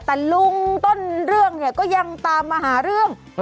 แต่ลุงต้นเรื่องเนี่ยก็ยังตามมาหาเรื่อง